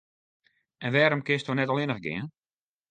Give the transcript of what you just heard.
En wêrom kinsto net allinnich gean?